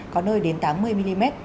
có nơi đến tám mươi mm